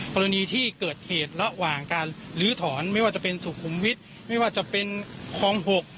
กรณีที่เกิดเหตุระหว่างการลื้อถอนไม่ว่าจะเป็นสุขุมวิทย์ไม่ว่าจะเป็นคลอง๖